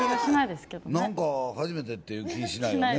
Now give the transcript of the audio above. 初めてっていう気しないよね。